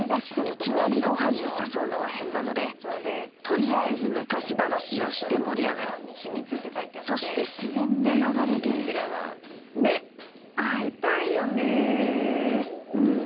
いきなりごはんに誘うのは変なので取りあえず昔話をして盛り上がるそして自然の流れでねっ会いたいよねうん。